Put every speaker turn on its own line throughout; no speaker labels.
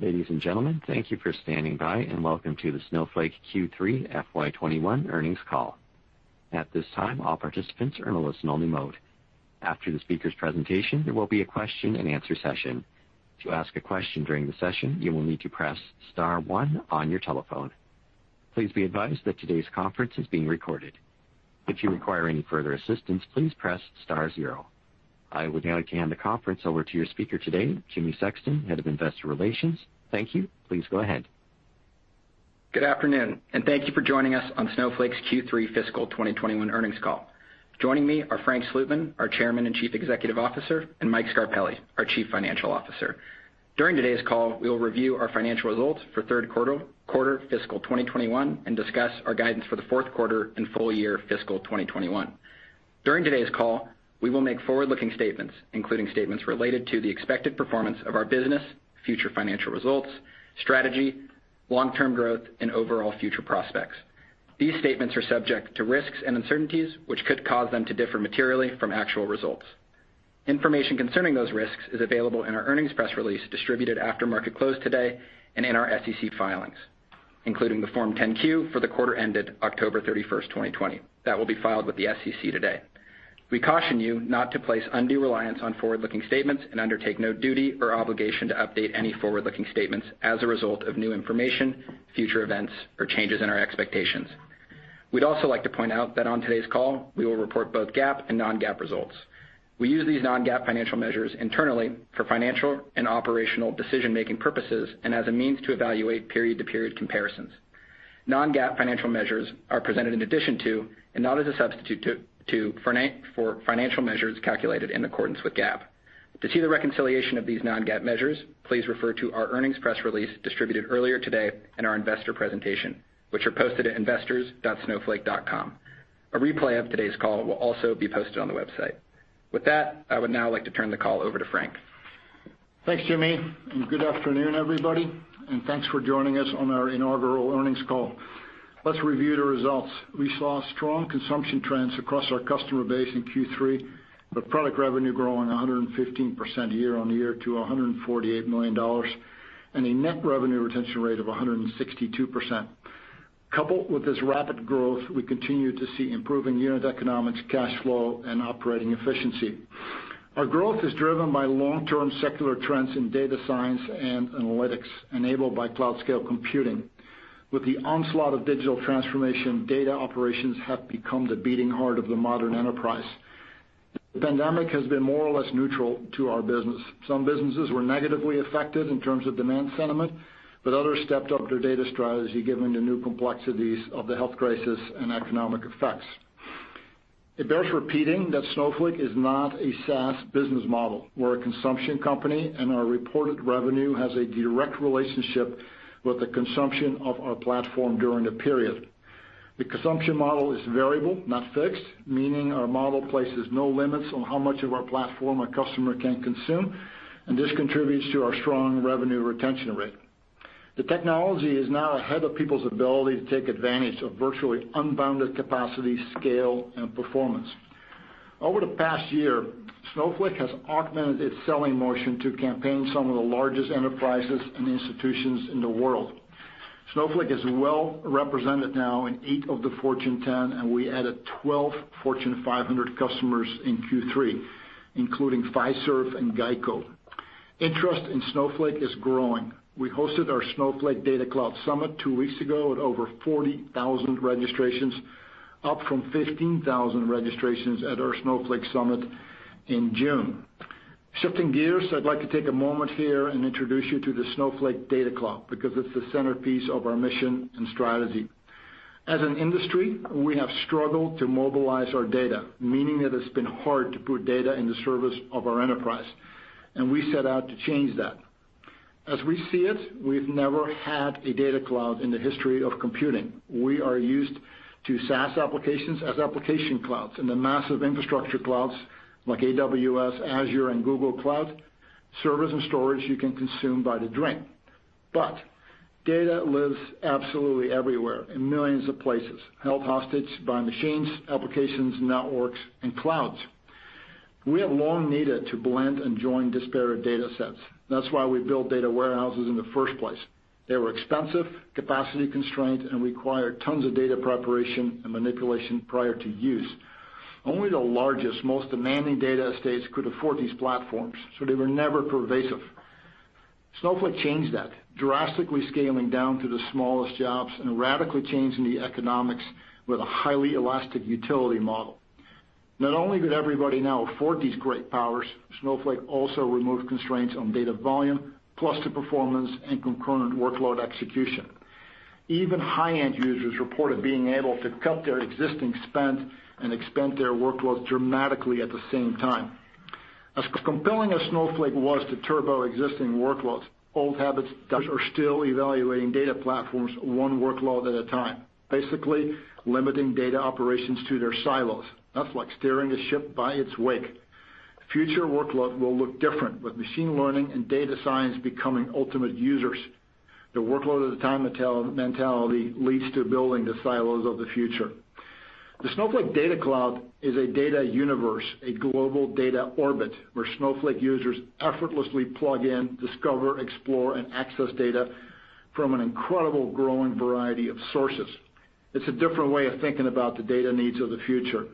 Ladies and gentlemen, thank you for standing by, and welcome to the Snowflake Q3 FY 2021 earnings call. At this time, all participants are in listen-only mode. After the speaker's presentation, there will be a question-and-answer session. To ask a question during the session, you will need to press star one on your telephone. Please be advised that today's conference is being recorded. If you require any further assistance, please press star zero. I would now like to hand the conference over to your speaker today, Jimmy Sexton, Head of Investor Relations. Thank you. Please go ahead.
Good afternoon, and thank you for joining us on Snowflake's Q3 fiscal 2021 earnings call. Joining me are Frank Slootman, our Chairman and Chief Executive Officer, and Mike Scarpelli, our Chief Financial Officer. During today's call, we will review our financial results for third quarter fiscal 2021, and discuss our guidance for the fourth quarter and full year fiscal 2021. During today's call, we will make forward-looking statements, including statements related to the expected performance of our business, future financial results, strategy, long-term growth, and overall future prospects. These statements are subject to risks and uncertainties, which could cause them to differ materially from actual results. Information concerning those risks is available in our earnings press release distributed after market close today, and in our SEC filings, including the Form 10-Q for the quarter ended October 31st, 2020. That will be filed with the SEC today. We caution you not to place undue reliance on forward-looking statements, and undertake no duty or obligation to update any forward-looking statements as a result of new information, future events, or changes in our expectations. We'd also like to point out that on today's call, we will report both GAAP and non-GAAP results. We use these non-GAAP financial measures internally for financial and operational decision-making purposes, and as a means to evaluate period-to-period comparisons. Non-GAAP financial measures are presented in addition to, and not as a substitute to, for financial measures calculated in accordance with GAAP. To see the reconciliation of these non-GAAP measures, please refer to our earnings press release distributed earlier today in our investor presentation, which are posted at investors.snowflake.com. A replay of today's call will also be posted on the website. With that, I would now like to turn the call over to Frank.
Thanks, Jimmy, and good afternoon, everybody, and thanks for joining us on our inaugural earnings call. Let's review the results. We saw strong consumption trends across our customer base in Q3, with product revenue growing 115% year-on-year to $148 million, and a net revenue retention rate of 162%. Coupled with this rapid growth, we continue to see improving unit economics, cash flow, and operating efficiency. Our growth is driven by long-term secular trends in data science and analytics, enabled by cloud-scale computing. With the onslaught of digital transformation, data operations have become the beating heart of the modern enterprise. The pandemic has been more or less neutral to our business. Some businesses were negatively affected in terms of demand sentiment, but others stepped up their data strategy given the new complexities of the health crisis and economic effects. It bears repeating that Snowflake is not a SaaS business model. We're a consumption company, and our reported revenue has a direct relationship with the consumption of our platform during the period. The consumption model is variable, not fixed, meaning our model places no limits on how much of our platform a customer can consume, and this contributes to our strong revenue retention rate. The technology is now ahead of people's ability to take advantage of virtually unbounded capacity, scale, and performance. Over the past year, Snowflake has augmented its selling motion to campaign some of the largest enterprises and institutions in the world. Snowflake is well represented now in eight of the Fortune 10, and we added 12 Fortune 500 customers in Q3, including Fiserv and GEICO. Interest in Snowflake is growing. We hosted our Snowflake Data Cloud Summit two weeks ago, with over 40,000 registrations, up from 15,000 registrations at our Snowflake Summit in June. Shifting gears, I'd like to take a moment here and introduce you to the Snowflake Data Cloud, because it's the centerpiece of our mission and strategy. As an industry, we have struggled to mobilize our data, meaning that it's been hard to put data in the service of our enterprise, and we set out to change that. As we see it, we've never had a Data Cloud in the history of computing. We are used to SaaS applications as application clouds in the massive infrastructure clouds like AWS, Azure, and Google Cloud, servers and storage you can consume by the drain. Data lives absolutely everywhere, in millions of places, held hostage by machines, applications, networks, and clouds. We have long needed to blend and join disparate data sets. That's why we built data warehouses in the first place. They were expensive, capacity-constrained, and required tons of data preparation and manipulation prior to use. Only the largest, most demanding data estates could afford these platforms. They were never pervasive. Snowflake changed that, drastically scaling down to the smallest jobs and radically changing the economics with a highly elastic utility model. Not only could everybody now afford these great powers, Snowflake also removed constraints on data volume, cluster performance, and concurrent workload execution. Even high-end users reported being able to cut their existing spend and expand their workloads dramatically at the same time. As compelling as Snowflake was to turbo existing workloads, old habits. users are still evaluating data platforms one workload at a time, basically limiting data operations to their silos. That's like steering a ship by its wake. Future workloads will look different, with machine learning and data science becoming ultimate users. The workload-at-a-time mentality leads to building the silos of the future. The Snowflake Data Cloud is a data universe, a global data orbit where Snowflake users effortlessly plug in, discover, explore, and access data from an incredible growing variety of sources. It's a different way of thinking about the data needs of the future.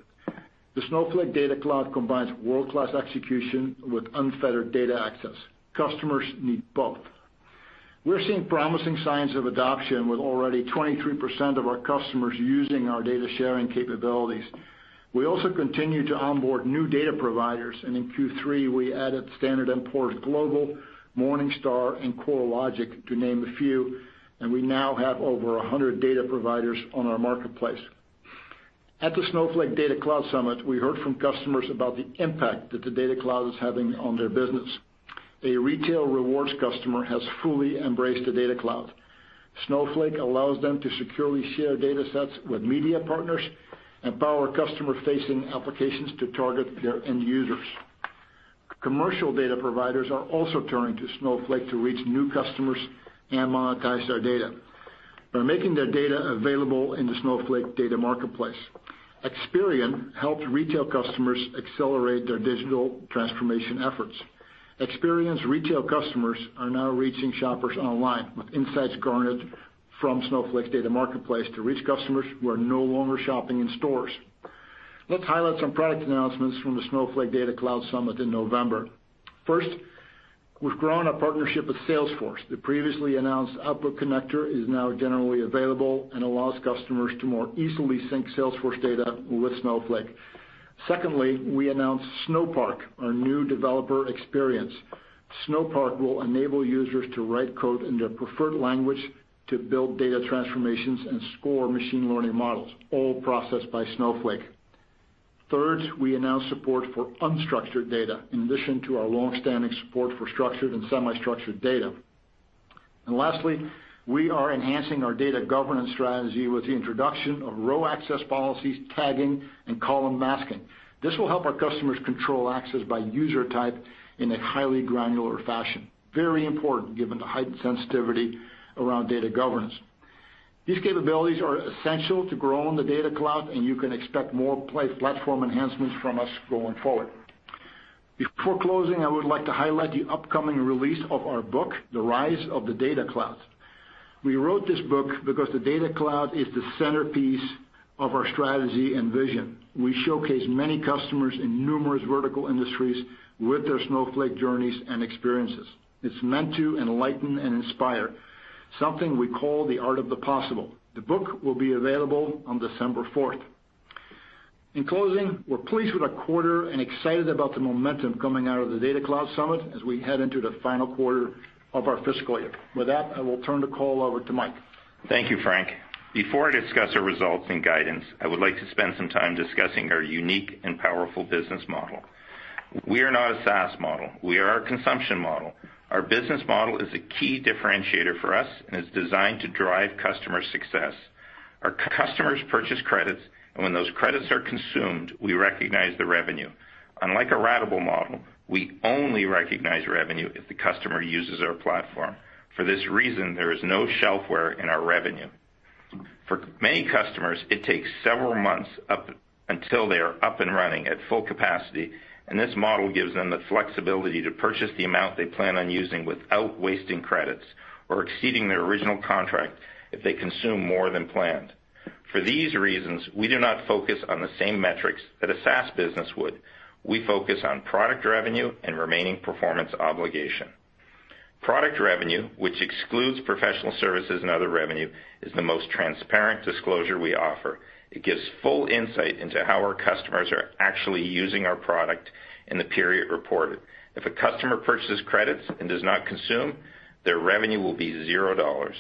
The Snowflake Data Cloud combines world-class execution with unfettered data access. Customers need both. We're seeing promising signs of adoption, with already 23% of our customers using our data-sharing capabilities. We also continue to onboard new data providers, and in Q3, we added Standard & Poor's Global, Morningstar, and CoreLogic, to name a few, and we now have over 100 data providers on our marketplace. At the Snowflake Data Cloud Summit, we heard from customers about the impact that the Data Cloud is having on their business. A retail rewards customer has fully embraced the Data Cloud. Snowflake allows them to securely share data sets with media partners, empower customer-facing applications to target their end users. Commercial data providers are also turning to Snowflake to reach new customers and monetize their data. By making their data available in the Snowflake Data Marketplace, Experian helped retail customers accelerate their digital transformation efforts. Experian's retail customers are now reaching shoppers online with insights garnered from Snowflake's Data Marketplace to reach customers who are no longer shopping in stores. Let's highlight some product announcements from the Snowflake Data Cloud Summit in November. First, we've grown our partnership with Salesforce. The previously announced Output Connector is now generally available and allows customers to more easily sync Salesforce data with Snowflake. Secondly, we announced Snowpark, our new developer experience. Snowpark will enable users to write code in their preferred language to build data transformations and score machine learning models, all processed by Snowflake. Third, we announced support for unstructured data in addition to our longstanding support for structured and semi-structured data. Lastly, we are enhancing our data governance strategy with the introduction of row access policies, tagging, and column masking. This will help our customers control access by user type in a highly granular fashion. Very important, given the heightened sensitivity around data governance. These capabilities are essential to growing the Data Cloud. You can expect more platform enhancements from us going forward. Before closing, I would like to highlight the upcoming release of our book, "The Rise of the Data Cloud." We wrote this book because the Data Cloud is the centerpiece of our strategy and vision. We showcase many customers in numerous vertical industries with their Snowflake journeys and experiences. It's meant to enlighten and inspire, something we call the art of the possible. The book will be available on December 4th. In closing, we're pleased with our quarter and excited about the momentum coming out of the Data Cloud Summit as we head into the final quarter of our fiscal year. With that, I will turn the call over to Mike.
Thank you, Frank. Before I discuss our results and guidance, I would like to spend some time discussing our unique and powerful business model. We are not a SaaS model. We are a consumption model. Our business model is a key differentiator for us and is designed to drive customer success. Our customers purchase credits, and when those credits are consumed, we recognize the revenue. Unlike a ratable model, we only recognize revenue if the customer uses our platform. For this reason, there is no shelfware in our revenue. For many customers, it takes several months up until they are up and running at full capacity, and this model gives them the flexibility to purchase the amount they plan on using without wasting credits or exceeding their original contract if they consume more than planned. For these reasons, we do not focus on the same metrics that a SaaS business would. We focus on product revenue and remaining performance obligation. Product revenue, which excludes professional services and other revenue, is the most transparent disclosure we offer. It gives full insight into how our customers are actually using our product in the period reported. If a customer purchases credits and does not consume, their revenue will be $0.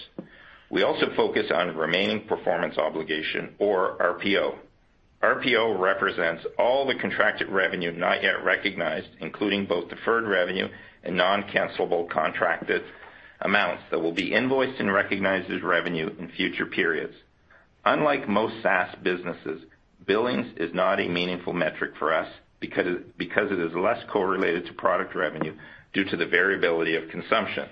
We also focus on remaining performance obligation, or RPO. RPO represents all the contracted revenue not yet recognized, including both deferred revenue and non-cancelable contracted amounts that will be invoiced and recognized as revenue in future periods. Unlike most SaaS businesses, billings is not a meaningful metric for us because it is less correlated to product revenue due to the variability of consumption.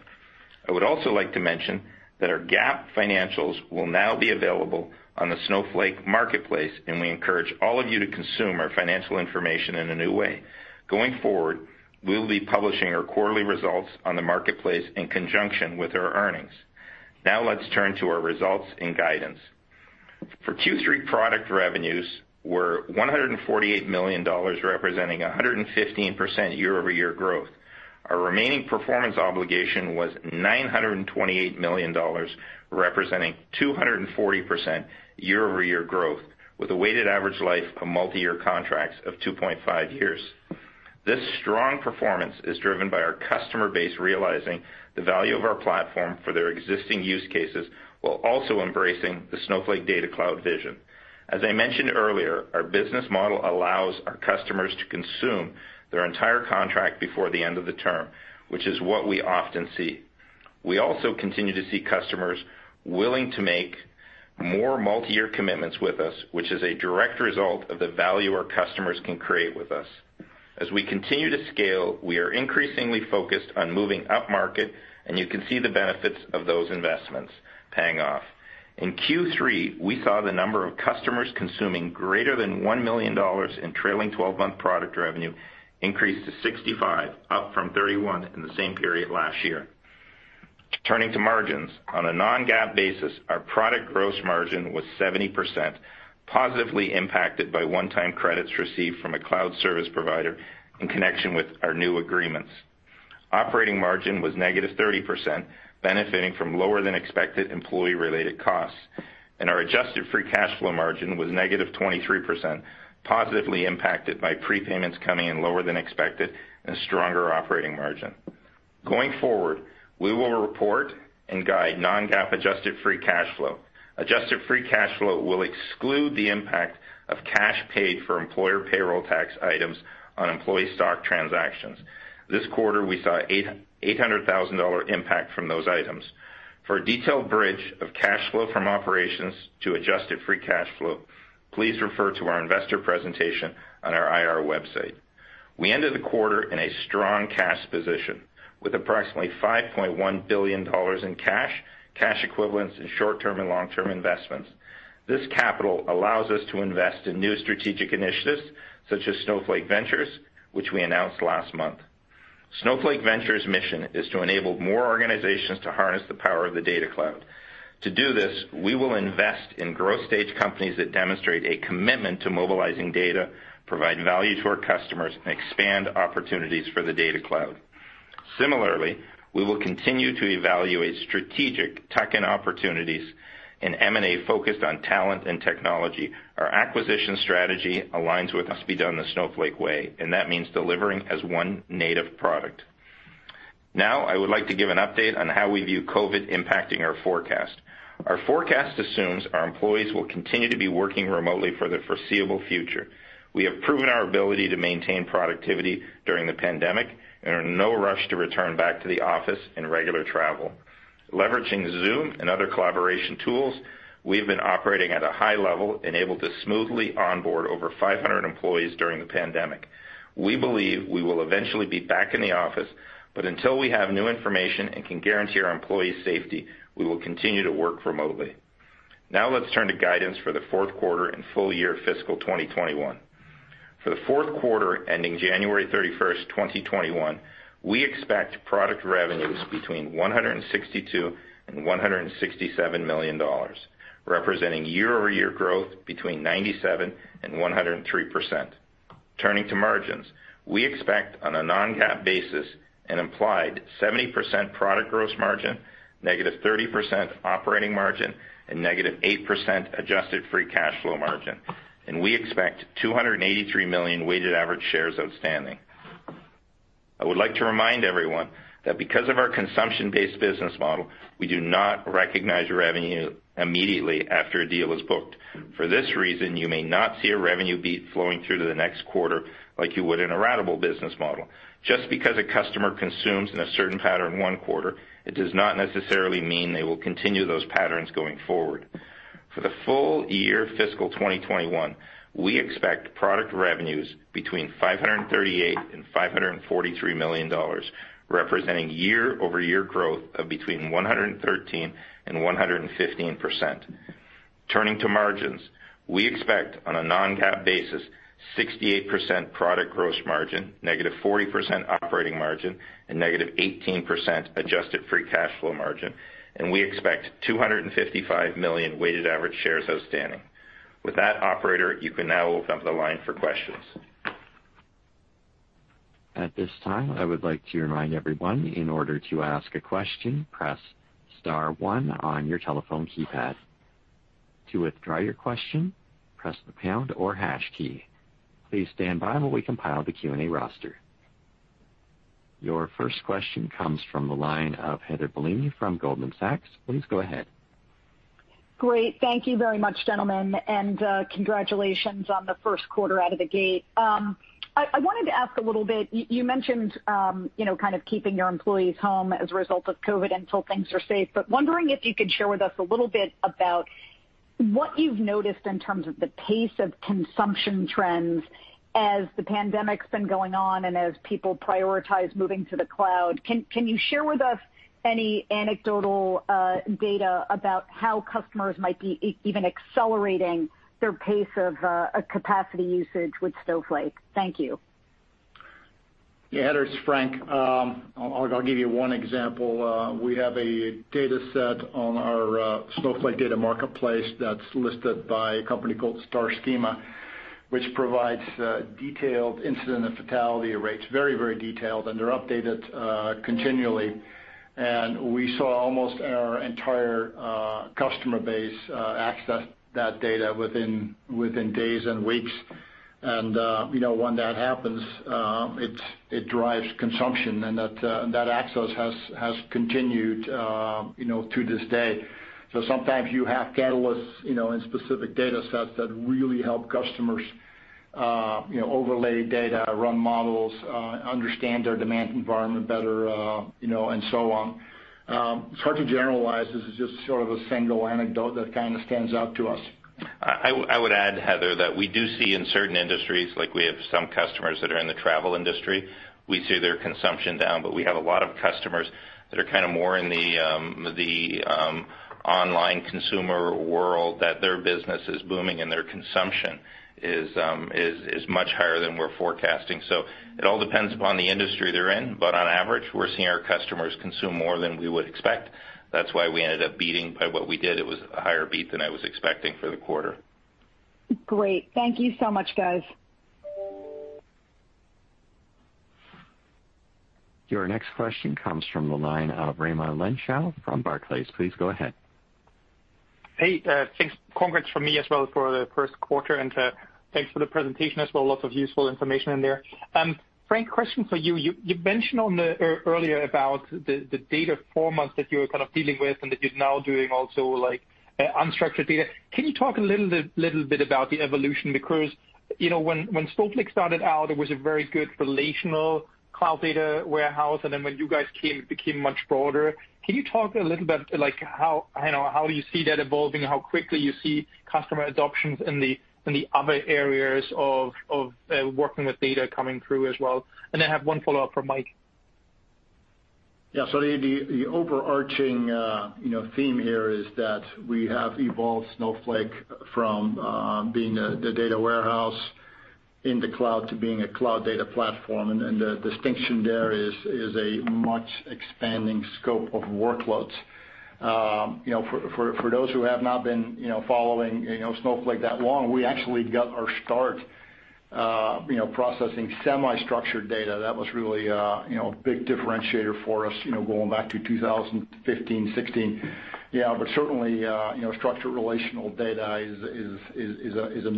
I would also like to mention that our GAAP financials will now be available on the Snowflake Marketplace, and we encourage all of you to consume our financial information in a new way. Going forward, we'll be publishing our quarterly results on the Marketplace in conjunction with our earnings. Now let's turn to our results and guidance. For Q3, product revenues were $148 million, representing 115% year-over-year growth. Our remaining performance obligation was $928 million, representing 240% year-over-year growth, with a weighted average life of multi-year contracts of 2.5 years. This strong performance is driven by our customer base realizing the value of our platform for their existing use cases while also embracing the Snowflake Data Cloud vision. As I mentioned earlier, our business model allows our customers to consume their entire contract before the end of the term, which is what we often see. We also continue to see customers willing to make more multi-year commitments with us, which is a direct result of the value our customers can create with us. As we continue to scale, we are increasingly focused on moving upmarket, and you can see the benefits of those investments paying off. In Q3, we saw the number of customers consuming greater than $1 million in trailing 12-month product revenue increase to 65, up from 31 in the same period last year. Turning to margins. On a non-GAAP basis, our product gross margin was 70%, positively impacted by one-time credits received from a cloud service provider in connection with our new agreements. Operating margin was -30%, benefiting from lower-than-expected employee-related costs, and our adjusted free cash flow margin was -23%, positively impacted by prepayments coming in lower than expected and a stronger operating margin. Going forward, we will report and guide non-GAAP adjusted free cash flow. Adjusted free cash flow will exclude the impact of cash paid for employer payroll tax items on employee stock transactions. This quarter, we saw an $800,000 impact from those items. For a detailed bridge of cash flow from operations to adjusted free cash flow, please refer to our investor presentation on our IR website. We ended the quarter in a strong cash position with approximately $5.1 billion in cash equivalents in short-term and long-term investments. This capital allows us to invest in new strategic initiatives such as Snowflake Ventures, which we announced last month. Snowflake Ventures' mission is to enable more organizations to harness the power of the Data Cloud. To do this, we will invest in growth-stage companies that demonstrate a commitment to mobilizing data, provide value to our customers, and expand opportunities for the Data Cloud. Similarly, we will continue to evaluate strategic tuck-in opportunities and M&A focused on talent and technology. Our acquisition strategy aligns with us be done the Snowflake way, and that means delivering as one native product. I would like to give an update on how we view COVID impacting our forecast. Our forecast assumes our employees will continue to be working remotely for the foreseeable future. We have proven our ability to maintain productivity during the pandemic and are in no rush to return back to the office and regular travel. Leveraging Zoom and other collaboration tools, we've been operating at a high level and able to smoothly onboard over 500 employees during the pandemic. We believe we will eventually be back in the office, but until we have new information and can guarantee our employees' safety, we will continue to work remotely. Now let's turn to guidance for the fourth quarter and full year fiscal 2021. For the fourth quarter ending January 31st, 2021, we expect product revenues between $162 million and $167 million, representing year-over-year growth between 97% and 103%. Turning to margins. We expect, on a non-GAAP basis, an implied 70% product gross margin, -30% operating margin, and -8% adjusted free cash flow margin. We expect 283 million weighted average shares outstanding. I would like to remind everyone that because of our consumption-based business model, we do not recognize revenue immediately after a deal is booked. For this reason, you may not see a revenue beat flowing through to the next quarter like you would in a ratable business model. Just because a customer consumes in a certain pattern one quarter, it does not necessarily mean they will continue those patterns going forward. For the full year fiscal 2021, we expect product revenues between $538 million and $543 million, representing year-over-year growth of between 113% and 115%. Turning to margins. We expect, on a non-GAAP basis, 68% product gross margin, -40% operating margin, and -18% adjusted free cash flow margin, and we expect 255 million weighted average shares outstanding. With that, operator, you can now open up the line for questions.
At this time I would like to remind everyone, in order to ask a question, press star one on your telephone keypad. To withdraw your question, press pound or hash key. Please stand by while we compile the Q&A roster. Your first question comes from the line of Heather Bellini from Goldman Sachs. Please go ahead.
Great. Thank you very much, gentlemen, and congratulations on the first quarter out of the gate. I wanted to ask a little bit, you mentioned keeping your employees home as a result of COVID until things are safe, but wondering if you could share with us a little bit about what you've noticed in terms of the pace of consumption trends as the pandemic's been going on and as people prioritize moving to the cloud. Can you share with us any anecdotal data about how customers might be even accelerating their pace of capacity usage with Snowflake? Thank you.
Yeah, Heather, it's Frank. I'll give you one example. We have a data set on our Snowflake Data Marketplace that's listed by a company called Starschema, which provides detailed incident and fatality rates, very detailed, and they're updated continually. We saw almost our entire customer base access that data within days and weeks. When that happens, it drives consumption, and that access has continued to this day. Sometimes you have catalysts in specific data sets that really help customers overlay data, run models, understand their demand environment better, and so on. It's hard to generalize. This is just sort of a single anecdote that kind of stands out to us.
I would add, Heather, that we do see in certain industries, like we have some customers that are in the travel industry, we see their consumption down. We have a lot of customers that are more in the online consumer world, that their business is booming and their consumption is much higher than we're forecasting. It all depends upon the industry they're in, but on average, we're seeing our customers consume more than we would expect. That's why we ended up beating by what we did. It was a higher beat than I was expecting for the quarter.
Great. Thank you so much, guys.
Your next question comes from the line of Raimo Lenschow from Barclays. Please go ahead.
Hey, thanks. Congrats from me as well for the first quarter, and thanks for the presentation as well. Lots of useful information in there. Frank, question for you. You mentioned earlier about the data formats that you were dealing with and that you're now doing also unstructured data. Can you talk a little bit about the evolution? When Snowflake started out, it was a very good relational cloud data warehouse, and then when you guys came, it became much broader. Can you talk a little about how you see that evolving, how quickly you see customer adoptions in the other areas of working with data coming through as well? I have one follow-up for Mike.
The overarching theme here is that we have evolved Snowflake from being the data warehouse in the cloud to being a cloud data platform. The distinction there is a much expanding scope of workloads. For those who have not been following Snowflake that long, we actually got our start processing semi-structured data. That was really a big differentiator for us, going back to 2015, 2016. Certainly, structured relational data is a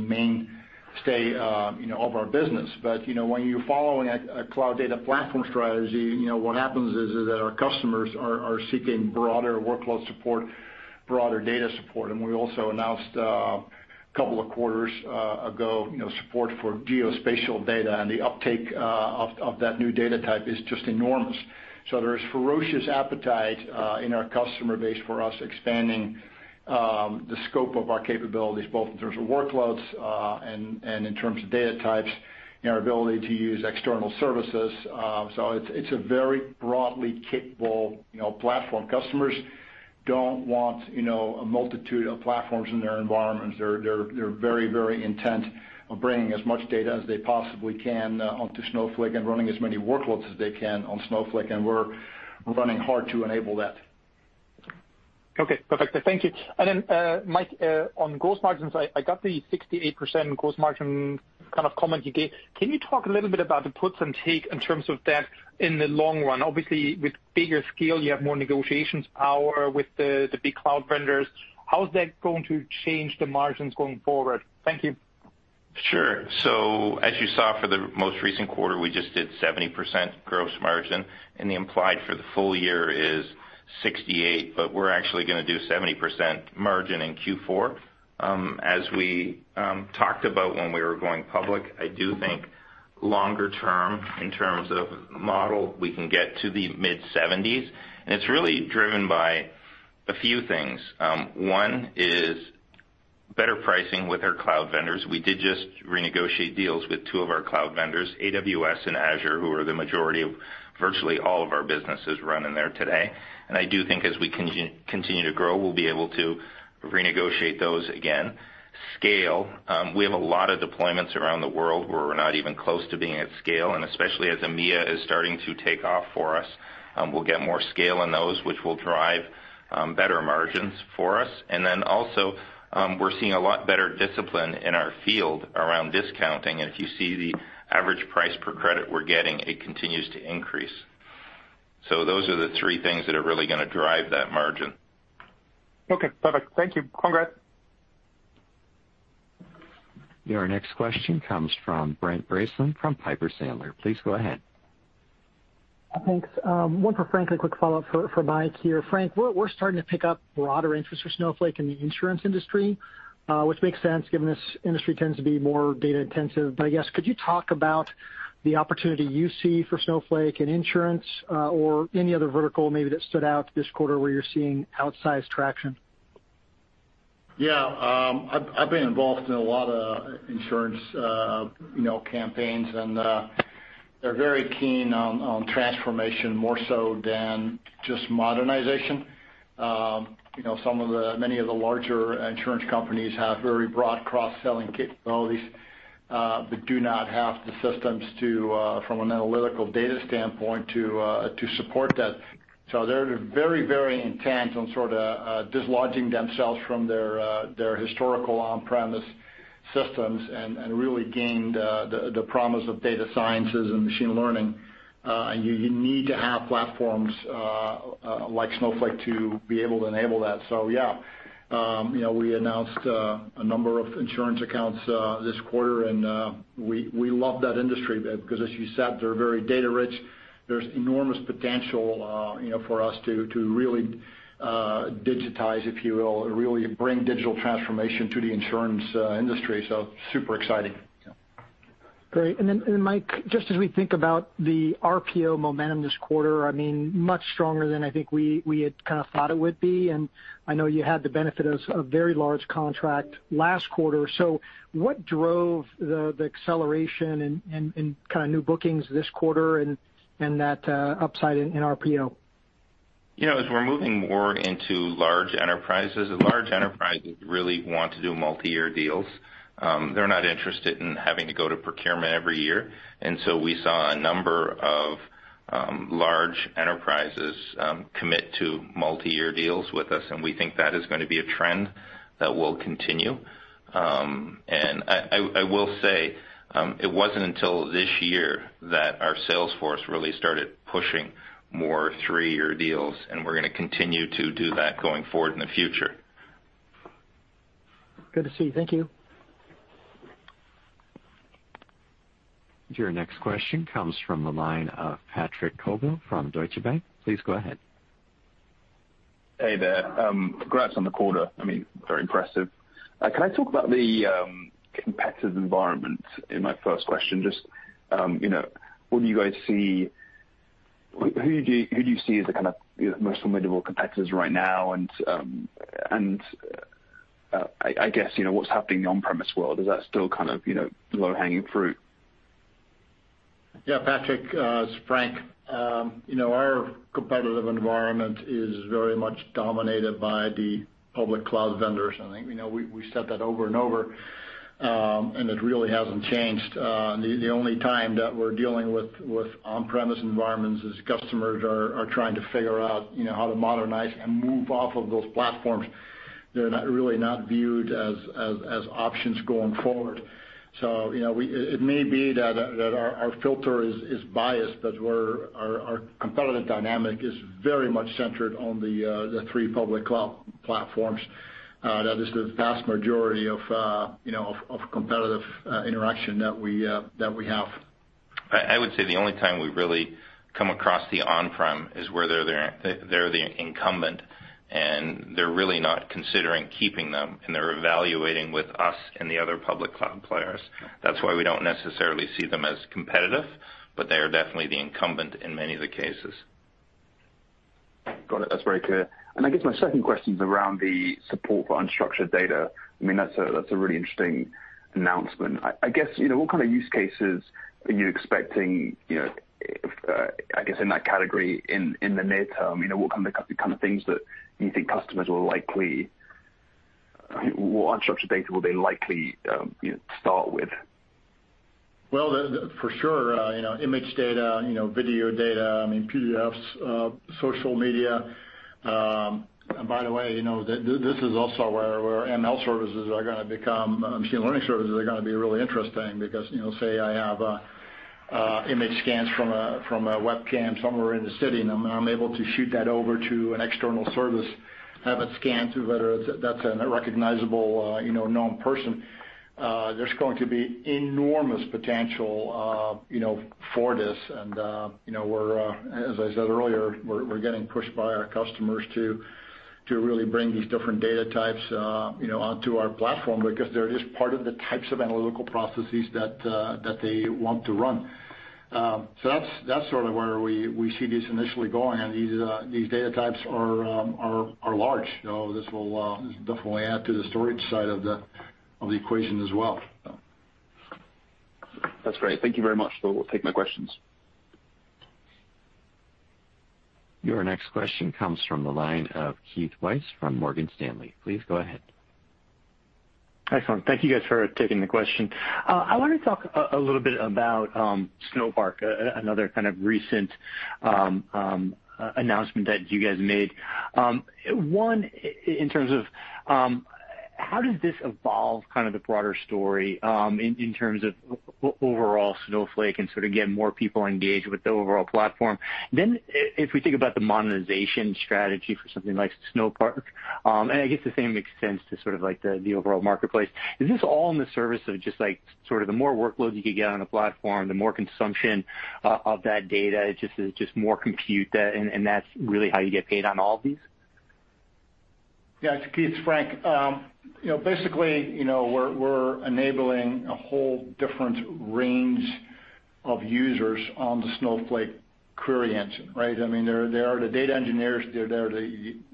mainstay of our business. When you're following a cloud data platform strategy, what happens is that our customers are seeking broader workload support, broader data support. We also announced, a couple of quarters ago, support for geospatial data, and the uptake of that new data type is just enormous. There is ferocious appetite in our customer base for us expanding the scope of our capabilities, both in terms of workloads and in terms of data types, and our ability to use external services. It's a very broadly capable platform. Customers don't want a multitude of platforms in their environments. They're very, very intent on bringing as much data as they possibly can onto Snowflake and running as many workloads as they can on Snowflake, and we're running hard to enable that.
Okay, perfect. Thank you. Mike, on gross margins, I got the 68% gross margin comment you gave. Can you talk a little bit about the puts and takes in terms of that in the long run? Obviously, with bigger scale, you have more negotiations power with the big cloud vendors. How is that going to change the margins going forward? Thank you.
As you saw for the most recent quarter, we just did 70% gross margin, and the implied for the full year is 68%, but we're actually going to do 70% margin in Q4. As we talked about when we were going public, I do think longer term, in terms of model, we can get to the mid-70s, and it's really driven by a few things. One is better pricing with our cloud vendors. We did just renegotiate deals with two of our cloud vendors, AWS and Azure, who are the majority of virtually all of our business is run in there today. I do think as we continue to grow, we'll be able to renegotiate those again. Scale. We have a lot of deployments around the world where we're not even close to being at scale. Especially as EMEA is starting to take off for us, we'll get more scale in those, which will drive better margins for us. Also, we're seeing a lot better discipline in our field around discounting. If you see the average price per credit we're getting, it continues to increase. Those are the three things that are really going to drive that margin.
Okay, perfect. Thank you. Congrats.
Your next question comes from Brent Bracelin from Piper Sandler. Please go ahead.
Thanks. One for Frank, a quick follow-up for Mike here. Frank, we're starting to pick up broader interest for Snowflake in the insurance industry. Which makes sense given this industry tends to be more data intensive. I guess, could you talk about the opportunity you see for Snowflake in insurance, or any other vertical maybe that stood out this quarter where you're seeing outsized traction?
Yeah. I've been involved in a lot of insurance campaigns, and they're very keen on transformation more so than just modernization. Many of the larger insurance companies have very broad cross-selling capabilities, but do not have the systems to, from an analytical data standpoint, to support that. They're very, very intent on dislodging themselves from their historical on-premise systems and really gain the promise of data sciences and machine learning. You need to have platforms like Snowflake to be able to enable that. Yeah. We announced a number of insurance accounts this quarter, and we love that industry because as you said, they're very data rich. There's enormous potential for us to really digitize, if you will, really bring digital transformation to the insurance industry. Super exciting.
Great. Mike, just as we think about the RPO momentum this quarter, much stronger than I think we had kind of thought it would be, and I know you had the benefit of a very large contract last quarter. What drove the acceleration and kind of new bookings this quarter and that upside in RPO?
As we're moving more into large enterprises, large enterprises really want to do multi-year deals. They're not interested in having to go to procurement every year. We saw a number of large enterprises commit to multi-year deals with us, and we think that is going to be a trend that will continue. I will say, it wasn't until this year that our sales force really started pushing more three-year deals, and we're going to continue to do that going forward in the future.
Good to see. Thank you.
Your next question comes from the line of Patrick Colville from Deutsche Bank. Please go ahead.
Hey there. Congrats on the quarter. Very impressive. Can I talk about the competitive environment in my first question? Just, who do you see as the kind of most formidable competitors right now, and I guess, what's happening in the on-premise world? Is that still kind of low-hanging fruit?
Yeah, Patrick, it's Frank. Our competitive environment is very much dominated by the public cloud vendors. I think we said that over and over, and it really hasn't changed. The only time that we're dealing with on-premise environments is customers are trying to figure out how to modernize and move off of those platforms. They're really not viewed as options going forward. It may be that our filter is biased, but our competitive dynamic is very much centered on the three public cloud platforms. That is the vast majority of competitive interaction that we have.
I would say the only time we really come across the on-prem is where they're the incumbent, and they're really not considering keeping them, and they're evaluating with us and the other public cloud players. That's why we don't necessarily see them as competitive, but they are definitely the incumbent in many of the cases.
Got it. That's very clear. I guess my second question's around the support for unstructured data. That's a really interesting announcement. What kind of use cases are you expecting, I guess, in that category in the near term? What unstructured data will they likely start with?
Well, for sure, image data, video data, PDFs, social media. By the way, this is also where machine learning services are going to be really interesting because, say I have image scans from a webcam somewhere in the city, and I'm able to shoot that over to an external service, have it scanned to whether that's a recognizable, known person. There's going to be enormous potential for this. As I said earlier, we're getting pushed by our customers to really bring these different data types onto our platform because they're just part of the types of analytical processes that they want to run. That's sort of where we see these initially going. These data types are large. This will definitely add to the storage side of the equation as well.
That's great. Thank you very much for taking my questions.
Your next question comes from the line of Keith Weiss from Morgan Stanley. Please go ahead.
Excellent. Thank you guys for taking the question. I want to talk a little bit about Snowpark, another kind of recent announcement that you guys made. One, in terms of how does this evolve kind of the broader story in terms of overall Snowflake and sort of getting more people engaged with the overall platform? If we think about the monetization strategy for something like Snowpark, and I guess the same extends to sort of like the overall marketplace, is this all in the service of just like, sort of the more workloads you could get on the platform, the more consumption of that data, it just is more compute, and that's really how you get paid on all of these?
Yeah. Keith, it's Frank. Basically, we're enabling a whole different range of users on the Snowflake query engine, right? There are the data engineers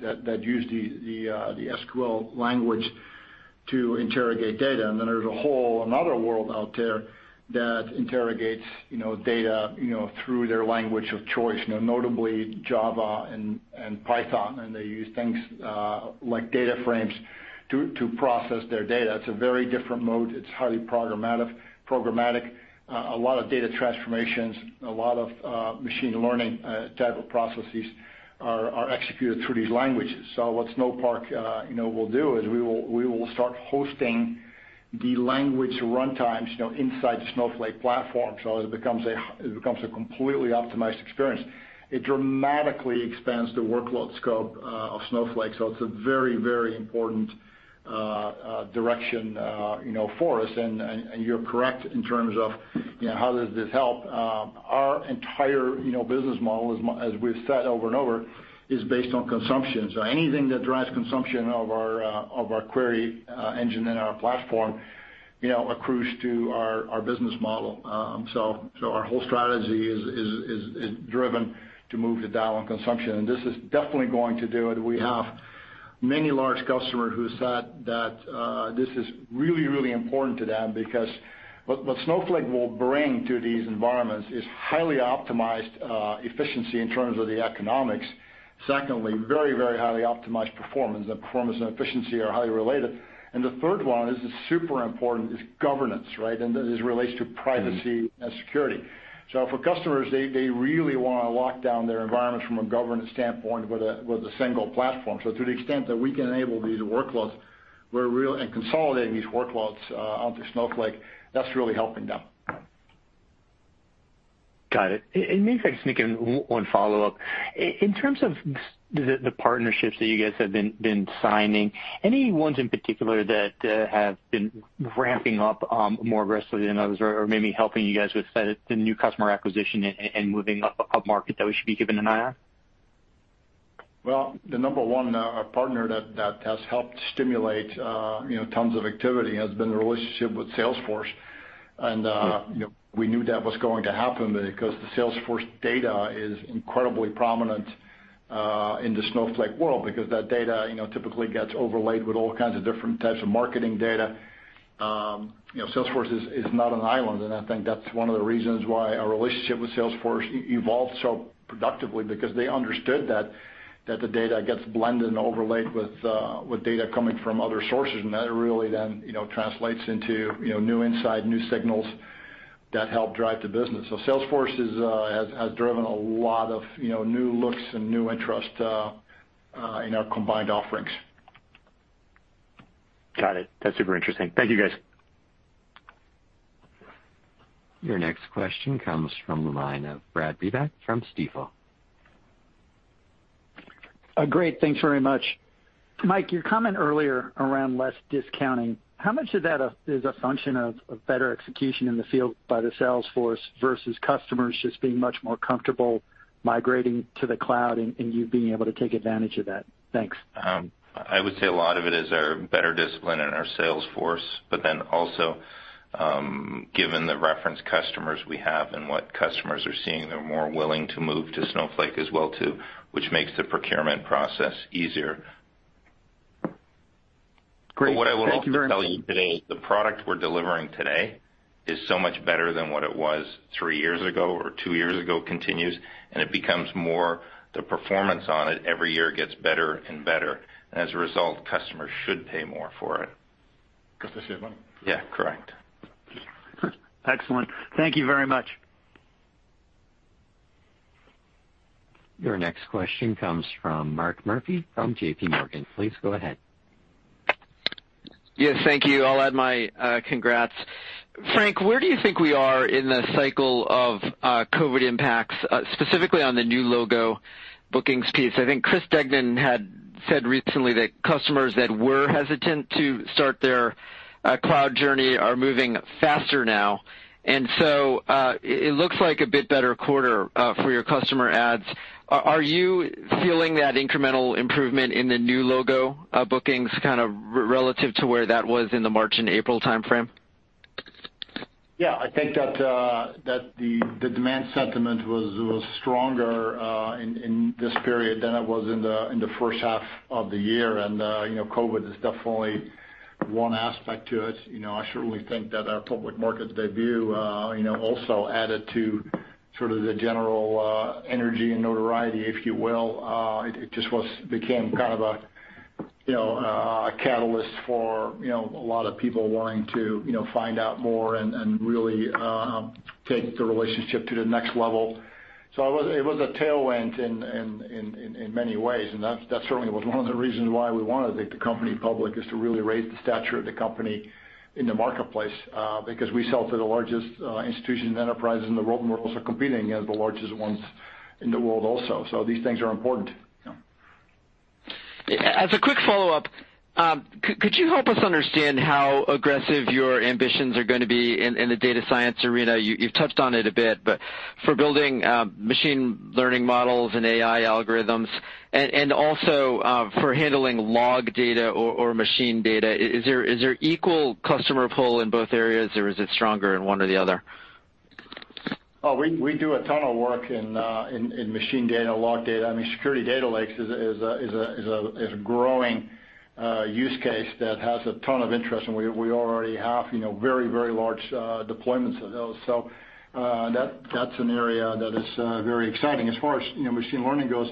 that use the SQL language to interrogate data, and then there's a whole another world out there that interrogates data through their language of choice, notably Java and Python, and they use things like DataFrames to process their data. It's a very different mode. It's highly programmatic. A lot of data transformations, a lot of machine learning type of processes are executed through these languages. What Snowpark will do is we will start hosting the language runtimes inside the Snowflake platform so it becomes a completely optimized experience. It dramatically expands the workload scope of Snowflake. It's a very, very important direction for us. You're correct in terms of how does this help. Our entire business model, as we've said over and over, is based on consumption. Anything that drives consumption of our query engine in our platform accrues to our business model. Our whole strategy is driven to move the dial on consumption, and this is definitely going to do it. Many large customers who said that this is really, really important to them because what Snowflake will bring to these environments is highly optimized efficiency in terms of the economics. Secondly, very highly optimized performance, and performance and efficiency are highly related. The third one, this is super important, is governance, right? This relates to privacy and security. For customers, they really want to lock down their environments from a governance standpoint with a single platform. To the extent that we can enable these workloads, and consolidating these workloads onto Snowflake, that's really helping them.
Got it. Maybe if I can sneak in one follow-up. In terms of the partnerships that you guys have been signing, any ones in particular that have been ramping up more aggressively than others or maybe helping you guys with the new customer acquisition and moving upmarket that we should be keeping an eye on?
Well, the number one partner that has helped stimulate tons of activity has been the relationship with Salesforce. We knew that was going to happen because the Salesforce data is incredibly prominent in the Snowflake world because that data typically gets overlaid with all kinds of different types of marketing data. Salesforce is not an island, and I think that's one of the reasons why our relationship with Salesforce evolved so productively, because they understood that the data gets blended and overlaid with data coming from other sources. That really translates into new insight, new signals that help drive the business. Salesforce has driven a lot of new looks and new interest in our combined offerings.
Got it. That's super interesting. Thank you, guys.
Your next question comes from the line of Brad Reback from Stifel.
Great, thanks very much. Mike, your comment earlier around less discounting, how much of that is a function of better execution in the field by the sales force versus customers just being much more comfortable migrating to the cloud, and you being able to take advantage of that? Thanks.
I would say a lot of it is our better discipline in our sales force, but then also, given the reference customers we have and what customers are seeing, they're more willing to move to Snowflake as well, too, which makes the procurement process easier.
Great. Thank you very much.
What I would also tell you today is the product we're delivering today is so much better than what it was three years ago or two years ago, continues, the performance on it every year gets better and better. Customers should pay more for it.
Because they save money.
Yeah, correct.
Excellent. Thank you very much.
Your next question comes from Mark Murphy from JPMorgan. Please go ahead.
Yes, thank you. I'll add my congrats. Frank, where do you think we are in the cycle of COVID impacts, specifically on the new logo bookings piece? I think Chris Degnan had said recently that customers that were hesitant to start their cloud journey are moving faster now. It looks like a bit better quarter for your customer adds. Are you feeling that incremental improvement in the new logo bookings kind of relative to where that was in the March and April timeframe?
Yeah, I think that the demand sentiment was stronger in this period than it was in the first half of the year. COVID is definitely one aspect to it. I certainly think that our public market debut also added to sort of the general energy and notoriety, if you will. It just became kind of a catalyst for a lot of people wanting to find out more and really take the relationship to the next level. It was a tailwind in many ways, and that certainly was one of the reasons why we wanted to take the company public, is to really raise the stature of the company in the marketplace because we sell to the largest institutions, enterprises in the world, and we're also competing as the largest ones in the world also. These things are important.
As a quick follow-up, could you help us understand how aggressive your ambitions are going to be in the data science arena? You've touched on it a bit, for building machine learning models and AI algorithms, and also for handling log data or machine data, is there equal customer pull in both areas, or is it stronger in one or the other?
Oh, we do a ton of work in machine data, log data. I mean, security data lakes is a growing use case that has a ton of interest, and we already have very large deployments of those. That's an area that is very exciting. As far as machine learning goes,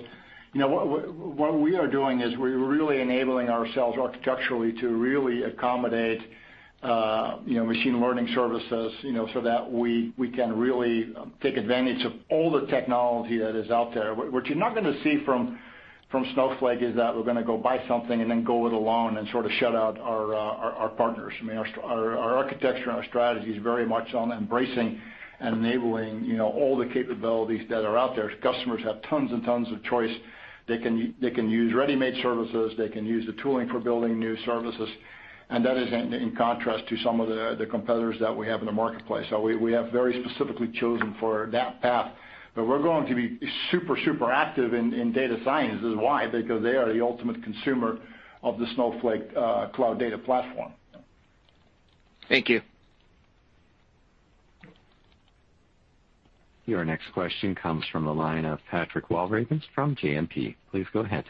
what we are doing is we're really enabling ourselves architecturally to really accommodate machine learning services so that we can really take advantage of all the technology that is out there. What you're not going to see from Snowflake is that we're going to go buy something and then go it alone and sort of shut out our partners. Our architecture and our strategy is very much on embracing and enabling all the capabilities that are out there. Customers have tons and tons of choice. They can use ready-made services. They can use the tooling for building new services. That is in contrast to some of the competitors that we have in the marketplace. We have very specifically chosen for that path. We're going to be super active in data science. This is why, because they are the ultimate consumer of the Snowflake Data Cloud platform.
Thank you.
Your next question comes from the line of Patrick Walravens from JMP. Please go ahead.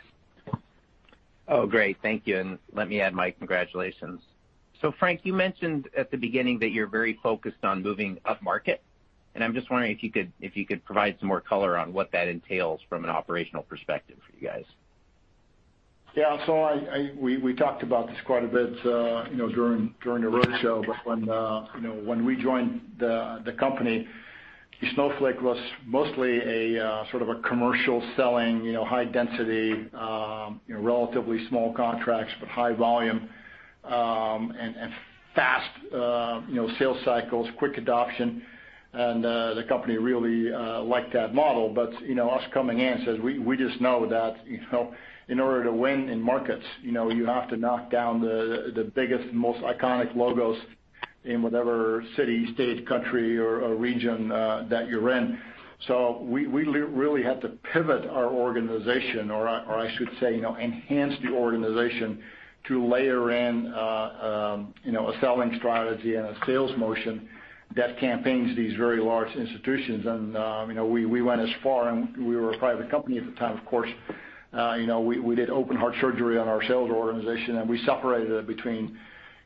Oh, great. Thank you. Let me add my congratulations. Frank, you mentioned at the beginning that you're very focused on moving upmarket, and I'm just wondering if you could provide some more color on what that entails from an operational perspective for you guys.
Yeah. We talked about this quite a bit during the roadshow, but when we joined the company, Snowflake was mostly a sort of a commercial selling, high density, relatively small contracts, but high volume, and fast sales cycles, quick adoption. The company really like that model. Us coming in says, we just know that, in order to win in markets, you have to knock down the biggest, most iconic logos in whatever city, state, country, or region, that you're in. We really had to pivot our organization or I should say, enhance the organization to layer in a selling strategy and a sales motion that campaigns these very large institutions. We went as far, and we were a private company at the time, of course, we did open heart surgery on our sales organization, and we separated it between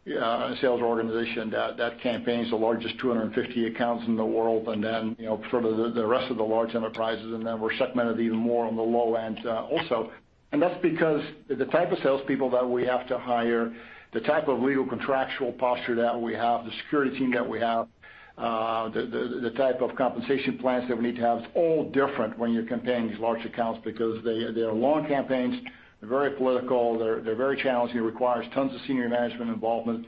a sales organization that campaigns the largest 250 accounts in the world, and then, sort of the rest of the large enterprises. Then we're segmented even more on the low end, also. That's because the type of salespeople that we have to hire, the type of legal contractual posture that we have, the security team that we have, the type of compensation plans that we need to have, it's all different when you're campaigning these large accounts because they are long campaigns, they're very political, they're very challenging, requires tons of senior management involvement.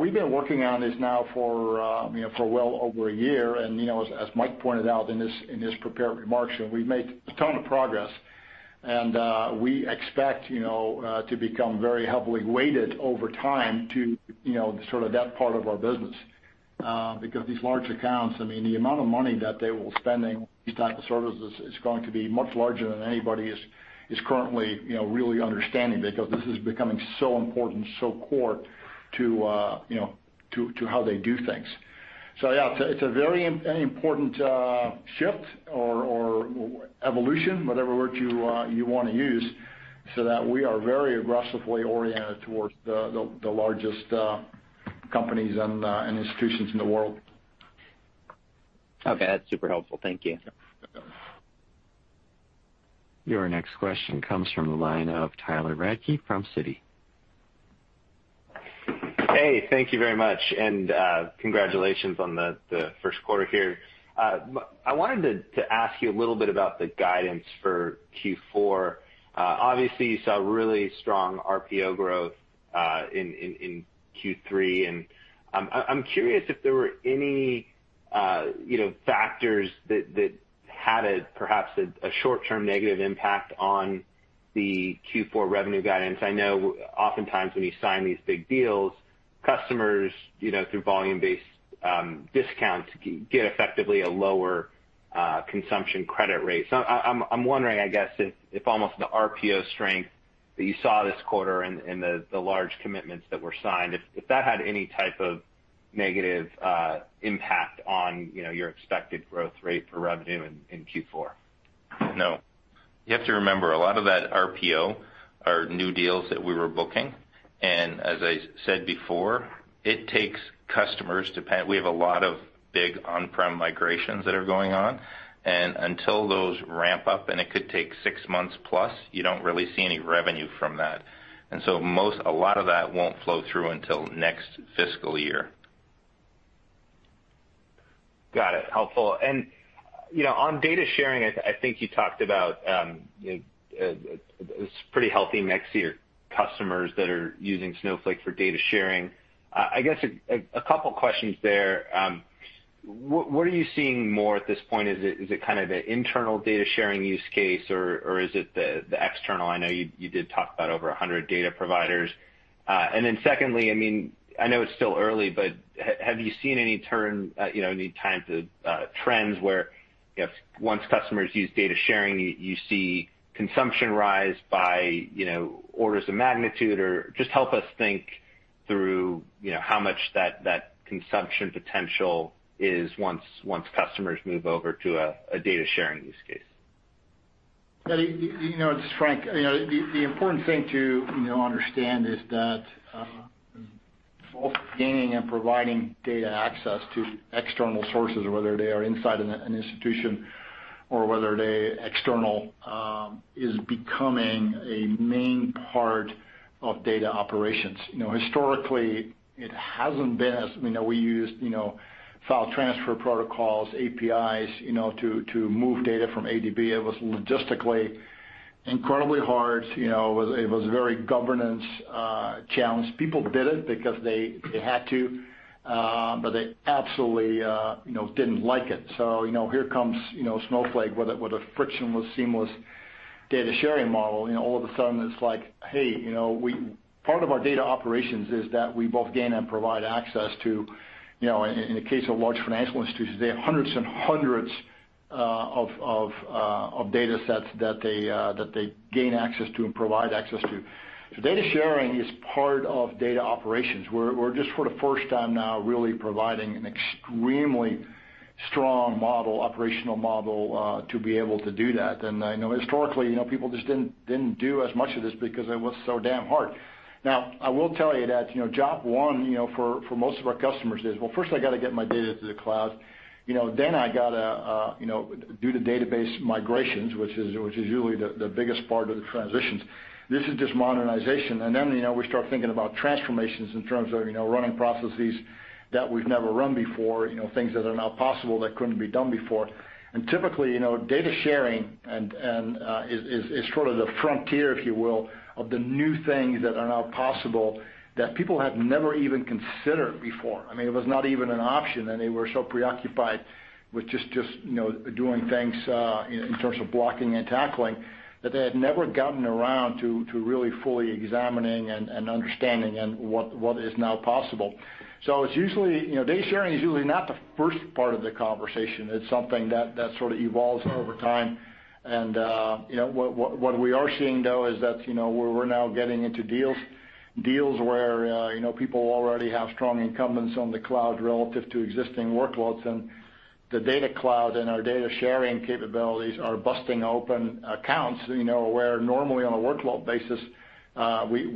We've been working on this now for well over a year. As Mike pointed out in his prepared remarks, we've made a ton of progress. We expect to become very heavily weighted over time to sort of that part of our business. Because these large accounts, I mean, the amount of money that they will spending these type of services is going to be much larger than anybody is currently really understanding because this is becoming so important, so core to how they do things. Yeah, it's a very important shift or evolution, whatever word you want to use, so that we are very aggressively oriented towards the largest companies and institutions in the world.
Okay. That's super helpful. Thank you.
Yeah.
Your next question comes from the line of Tyler Radke from Citi.
Hey, thank you very much. Congratulations on the first quarter here. I wanted to ask you a little bit about the guidance for Q4. Obviously, you saw really strong RPO growth in Q3, and I'm curious if there were any factors that had perhaps a short-term negative impact on the Q4 revenue guidance. I know oftentimes when you sign these big deals, customers, through volume-based discounts, get effectively a lower consumption credit rate. I'm wondering, I guess, if almost the RPO strength that you saw this quarter and the large commitments that were signed, if that had any type of negative impact on your expected growth rate for revenue in Q4.
No. You have to remember, a lot of that RPO are new deals that we were booking. As I said before, We have a lot of big on-prem migrations that are going on, and until those ramp up, and it could take six months plus, you don't really see any revenue from that. A lot of that won't flow through until next fiscal year.
Got it. Helpful. On data sharing, I think you talked about, it's pretty healthy next year, customers that are using Snowflake for data sharing. I guess a couple of questions there. What are you seeing more at this point? Is it kind of an internal data sharing use case or is it the external? I know you did talk about over 100 data providers. Secondly, I know it's still early, but have you seen any turn, any types of trends where once customers use data sharing, you see consumption rise by orders of magnitude? Just help us think through how much that consumption potential is once customers move over to a data sharing use case.
Yeah. This is Frank. The important thing to understand is that, both gaining and providing data access to external sources, whether they are inside an institution or whether they're external, is becoming a main part of data operations. Historically, it hasn't been, as we know, we used file transfer protocols, APIs to move data from A to B. It was logistically incredibly hard. It was very governance challenged. People did it because they had to. They absolutely didn't like it. Here comes Snowflake with a frictionless, seamless data sharing model. All of a sudden it's like, hey, part of our data operations is that we both gain and provide access to. In the case of large financial institutions, they have hundreds of data sets that they gain access to and provide access to. Data sharing is part of data operations. We're just for the first time now really providing an extremely strong operational model, to be able to do that. I know historically, people just didn't do as much of this because it was so damn hard. I will tell you that, job one, for most of our customers is, well, first I got to get my data to the cloud. I got to do the database migrations, which is usually the biggest part of the transitions. This is just modernization. Then, we start thinking about transformations in terms of running processes that we've never run before, things that are now possible that couldn't be done before. Typically, data sharing is sort of the frontier, if you will, of the new things that are now possible that people had never even considered before. I mean, it was not even an option, and they were so preoccupied with just doing things, in terms of blocking and tackling, that they had never gotten around to really fully examining and understanding what is now possible. Data sharing is usually not the first part of the conversation. It's something that sort of evolves over time. What we are seeing, though, is that we're now getting into deals where people already have strong incumbents on the cloud relative to existing workloads. The Data Cloud and our data sharing capabilities are busting open accounts, where normally on a workload basis,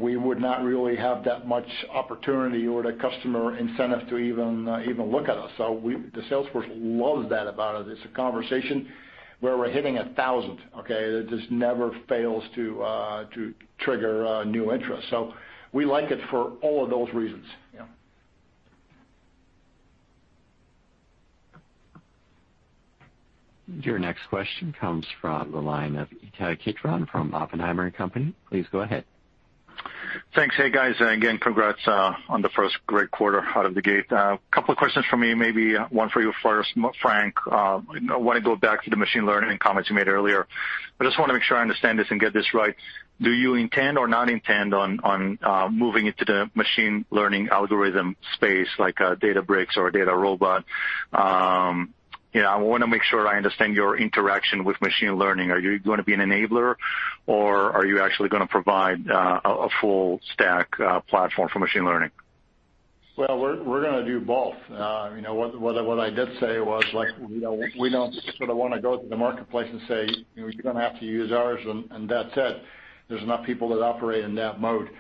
we would not really have that much opportunity or the customer incentive to even look at us. The sales force loves that about us. It's a conversation where we're hitting 1,000 okay. It just never fails to trigger new interest. We like it for all of those reasons. Yeah.
Your next question comes from the line of Ittai Kidron from Oppenheimer & Co. Please go ahead.
Thanks. Hey, guys, again, congrats on the first great quarter out of the gate. A couple of questions from me, maybe one for you first, Frank. I want to go back to the machine learning comments you made earlier. I just want to make sure I understand this and get this right. Do you intend or not intend on moving into the machine learning algorithm space, like a Databricks or a DataRobot? I want to make sure I understand your interaction with machine learning. Are you going to be an enabler, or are you actually going to provide a full stack platform for machine learning?
Well, we're going to do both. What I did say was, we don't sort of want to go to the marketplace and say, "You're going to have to use ours, and that's it." There's enough people that operate in that mode.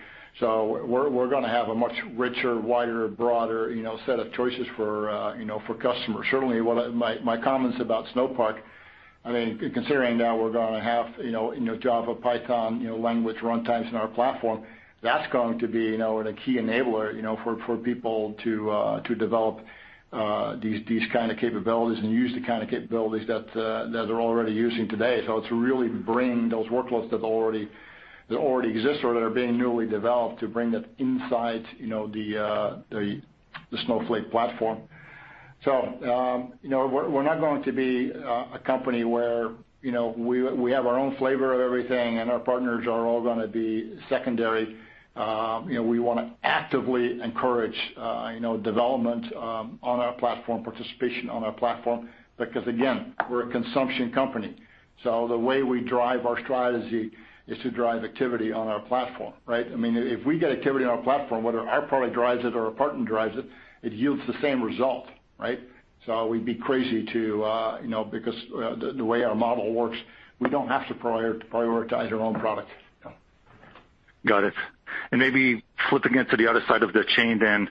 We're going to have a much richer, wider, broader set of choices for customers. Certainly, my comments about Snowpark, I mean, considering now we're going to have Java, Python language run times in our platform, that's going to be another key enabler for people to develop these kind of capabilities and use the kind of capabilities that they're already using today. It's really to bring those workloads that already exist or that are being newly developed, to bring that inside the Snowflake platform. We're not going to be a company where we have our own flavor of everything, and our partners are all going to be secondary. We want to actively encourage development on our platform, participation on our platform. Because again, we're a consumption company. The way we drive our strategy is to drive activity on our platform, right? I mean, if we get activity on our platform, whether our product drives it or a partner drives it yields the same result, right? We'd be crazy to, because the way our model works, we don't have to prioritize our own product.
Got it. Maybe flipping it to the other side of the chain, then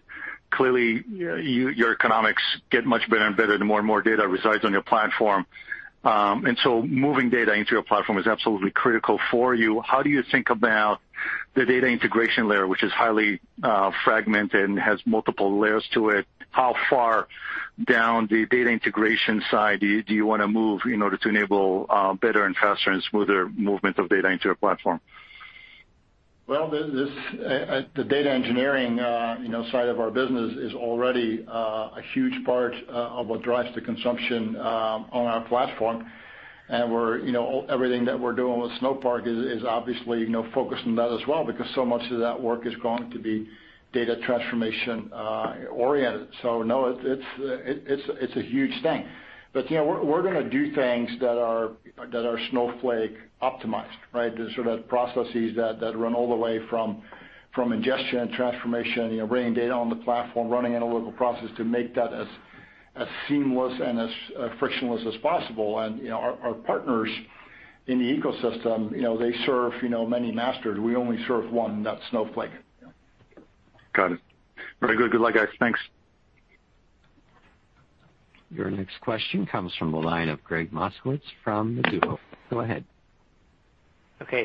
clearly, your economics get much better and better, the more and more data resides on your platform. Moving data into your platform is absolutely critical for you. How do you think about the data integration layer, which is highly fragmented and has multiple layers to it? How far down the data integration side do you want to move in order to enable better and faster and smoother movement of data into your platform?
The data engineering side of our business is already a huge part of what drives the consumption on our platform. Everything that we're doing with Snowpark is obviously focused on that as well, because so much of that work is going to be data transformation oriented. No, it's a huge thing. We're going to do things that are Snowflake optimized, right? The sort of processes that run all the way from ingestion and transformation, bringing data on the platform, running analytical process to make that as seamless and as frictionless as possible. Our partners in the ecosystem, they serve many masters. We only serve one, and that's Snowflake.
Got it. Very good. Good luck, guys. Thanks.
Your next question comes from the line of Gregg Moskowitz from Mizuho. Go ahead.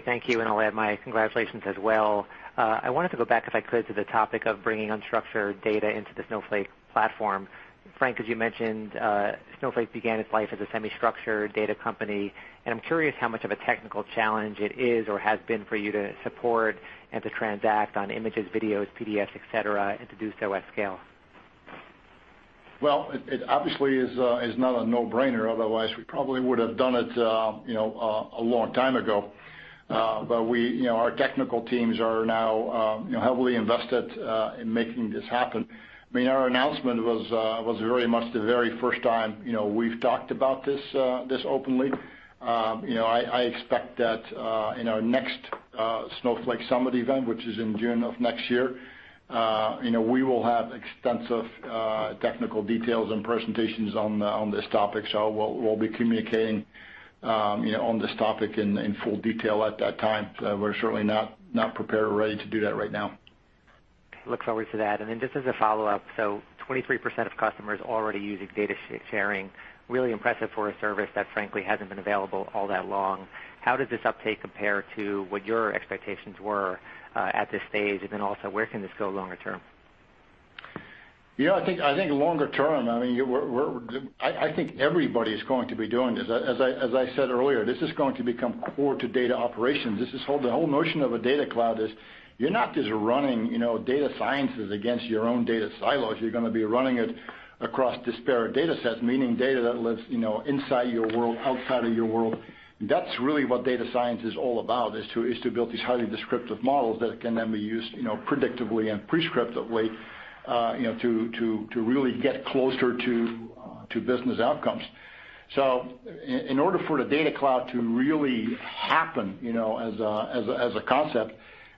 Thank you. I'll add my congratulations as well. I wanted to go back, if I could, to the topic of bringing unstructured data into the Snowflake platform. Frank, as you mentioned, Snowflake began its life as a semi-structured data company. I'm curious how much of a technical challenge it is or has been for you to support and to transact on images, videos, PDFs, et cetera, and to do so at scale.
It obviously is not a no-brainer, otherwise we probably would have done it a long time ago. Our technical teams are now heavily invested in making this happen. Our announcement was very much the very first time we've talked about this openly. I expect that in our next Snowflake Summit event, which is in June of next year, we will have extensive technical details and presentations on this topic. We'll be communicating on this topic in full detail at that time. We're certainly not prepared or ready to do that right now.
Look forward to that. Just as a follow-up, 23% of customers already using data sharing, really impressive for a service that frankly hasn't been available all that long. How does this uptake compare to what your expectations were at this stage? Also, where can this go longer term?
I think longer term, I think everybody's going to be doing this. As I said earlier, this is going to become core to data operations. The whole notion of a Data Cloud is you're not just running data sciences against your own data silos. You're going to be running it across disparate data sets, meaning data that lives inside your world, outside of your world. That's really what data science is all about, is to build these highly descriptive models that can then be used predictively and prescriptively to really get closer to business outcomes. In order for the Data Cloud to really happen as a concept,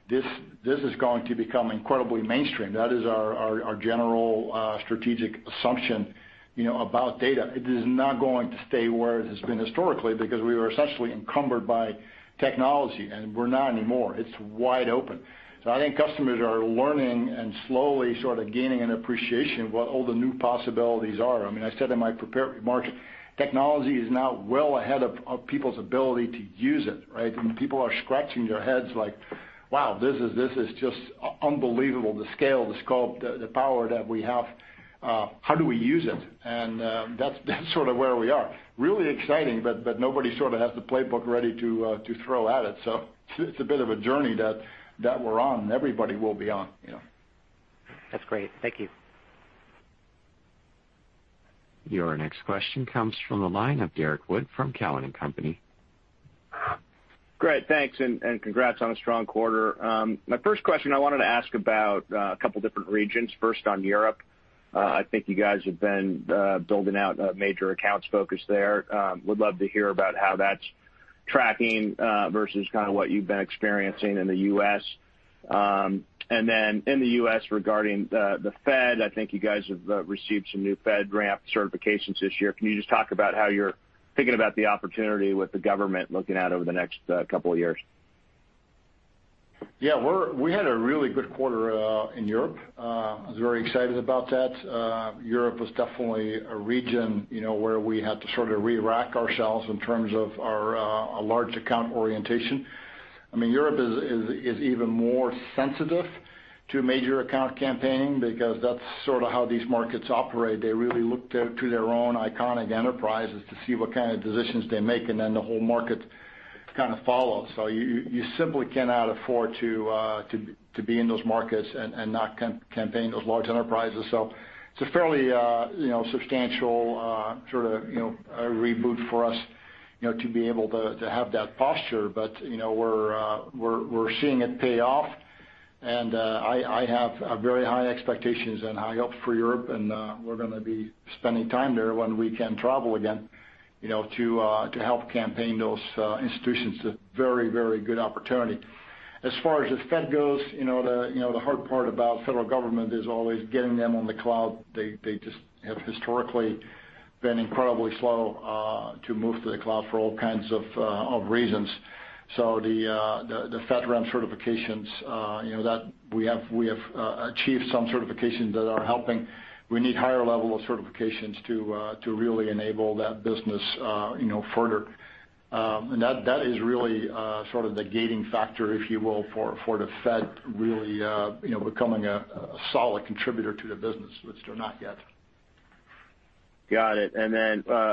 this is going to become incredibly mainstream. That is our general strategic assumption about data. It is not going to stay where it has been historically because we were essentially encumbered by technology, and we're not anymore. It's wide open. I think customers are learning and slowly sort of gaining an appreciation of what all the new possibilities are. I said in my prepared remarks, technology is now well ahead of people's ability to use it, right? People are scratching their heads like, "Wow, this is just unbelievable, the scale, the scope, the power that we have. How do we use it?" That's sort of where we are. Really exciting, but nobody sort of has the playbook ready to throw at it. It's a bit of a journey that we're on, and everybody will be on.
That's great. Thank you.
Your next question comes from the line of Derrick Wood from Cowen and Company.
Great. Thanks. Congrats on a strong quarter. My first question, I wanted to ask about a couple different regions. First, on Europe. I think you guys have been building out a major accounts focus there. Would love to hear about how that's tracking versus what you've been experiencing in the U.S. Then in the U.S. regarding the Fed, I think you guys have received some new FedRAMP certifications this year. Can you just talk about how you're thinking about the opportunity with the government looking out over the next couple of years?
Yeah, we had a really good quarter in Europe. I was very excited about that. Europe was definitely a region where we had to sort of re-rack ourselves in terms of our large account orientation. Europe is even more sensitive to major account campaigning because that's sort of how these markets operate. They really look to their own iconic enterprises to see what kind of decisions they make, and then the whole market kind of follows. You simply cannot afford to be in those markets and not campaign those large enterprises. It's a fairly substantial reboot for us, to be able to have that posture. We're seeing it pay off, and I have very high expectations and high hopes for Europe, and we're going to be spending time there when we can travel again, to help campaign those institutions. A very good opportunity. The hard part about federal government is always getting them on the cloud. They just have historically been incredibly slow to move to the cloud for all kinds of reasons. The FedRAMP certifications, we have achieved some certifications that are helping. We need higher level of certifications to really enable that business further. That is really sort of the gating factor, if you will, for the Fed really becoming a solid contributor to the business, which they're not yet.
Got it.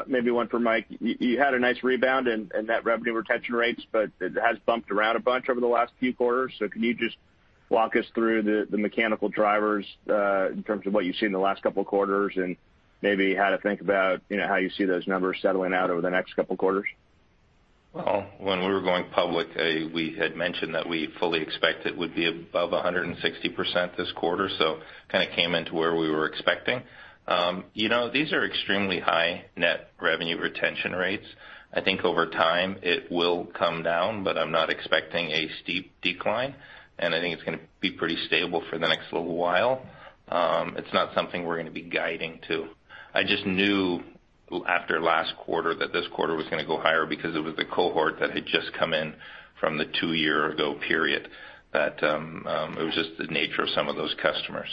Maybe one for Mike. You had a nice rebound in net revenue retention rates, but it has bumped around a bunch over the last few quarters. Can you just walk us through the mechanical drivers in terms of what you've seen in the last couple of quarters and maybe how to think about how you see those numbers settling out over the next couple of quarters?
Well, when we were going public, we had mentioned that we fully expect it would be above 160% this quarter, so kind of came into where we were expecting. These are extremely high net revenue retention rates. I think over time it will come down, but I'm not expecting a steep decline, and I think it's going to be pretty stable for the next little while. It's not something we're going to be guiding to. I just knew after last quarter that this quarter was going to go higher because it was the cohort that had just come in from the two year ago period, that it was just the nature of some of those customers.